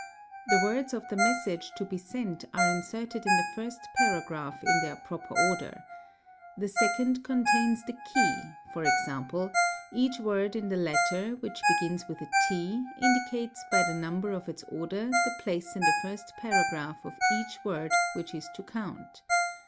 The words of the message to be sent are inserted in the first paragraph in their proper order. 'The second contains the key, e.g., each word in the latter which begins with a ¢ indicates by the number of its ~ order the place in the first paragraph of each word which is to count.